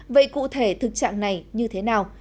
vậy cụ thể thực trạng này như thế nào